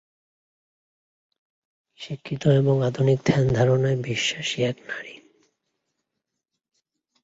শিক্ষিত এবং আধুনিক ধ্যান ধারণায় বিশ্বাসী এক নারী।